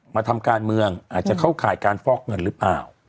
มาทำการเมืองอาจจะเข้าข่ายการฟอกเงินหรือเปล่า